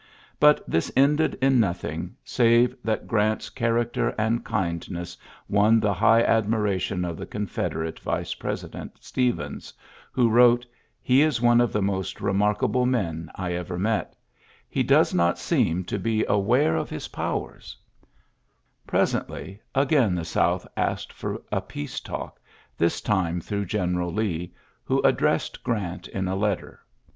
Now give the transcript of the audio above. But this ended in nothing, save that Grant's character and kindness won the high admiration of the Confederate vice president^ Stephens, who wrote : ^'He is one of the most remarkable men I ever .. Biet He does not seem to be aware of ii orary ^uii 114 ULYSSES S. GEANT his powers.^' Presently again the Sontb asked for a peace talk^ this time throngli General Lee^ who addressed Grant in a letter.